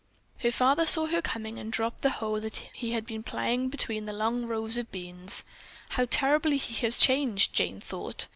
Her father saw her coming and dropped the hoe that he had been plying between the long rows of beans. "How terribly he has changed," Jane thought.